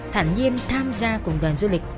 thẳng nhiên tham gia cùng đoàn du lịch